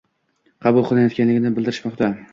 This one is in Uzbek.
qabul qilayotganligini bildirishmoqda.